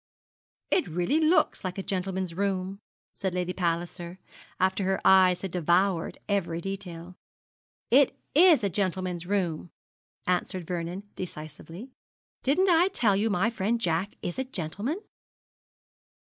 'It really looks like a gentleman's room,' said Lady Palliser, after her eyes had devoured every detail. 'It is a gentleman's room,' answered Vernon, decisively. 'Didn't I tell you my friend Jack is a gentleman?'